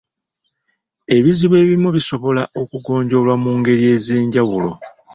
Ebizibu ebimu bisobola okugonjoolwa mu ngeri ez'enjawulo.